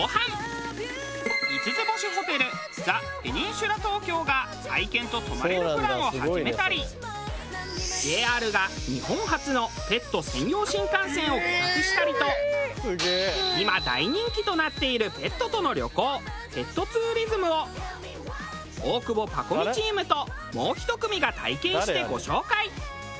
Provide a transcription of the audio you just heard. ５つ星ホテルザ・ペニンシュラ東京が愛犬と泊まれるプランを始めたりＪＲが日本初のペット専用新幹線を企画したりと今大人気となっているペットとの旅行ペットツーリズムを大久保パコ美チームともう１組が体験してご紹介。